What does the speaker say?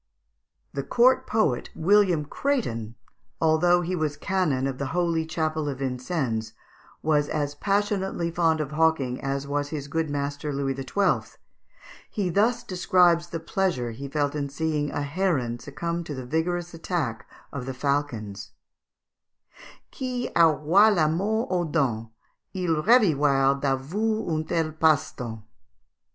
The court poet, William Crétin, although he was Canon of the holy chapel of Vincennes, was as passionately fond of hawking as his good master Louis XII. He thus describes the pleasure he felt in seeing a heron succumb to the vigorous attack of the falcons: "Qui auroit la mort aux dents, Il revivroit d'avour un tel passe temps!"